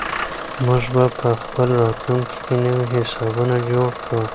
موږ به په راتلونکي کې نوي حسابونه جوړ کړو.